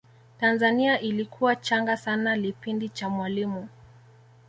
tanzania ilikuwa changa sana lipindi cha mwalimu